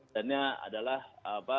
dannya adalah apa